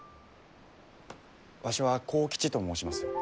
わしは幸吉と申します。